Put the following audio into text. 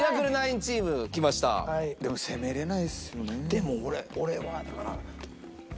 でも俺俺はだから。